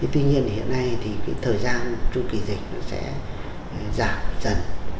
thế nhưng hiện nay thì cái thời gian chu kỳ dịch nó sẽ giảm